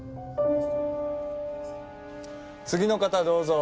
次の方どうぞ。